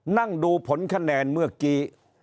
นั่งดูผลคะแนนเมื่อกี้